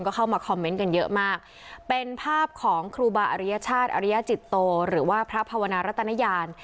ก็เข้ามาคอมเมนต์กันเยอะมากเป็นภาพของครูบาอริยชาติอริยจิตโตหรือว่าพระภาวนารัตนยาน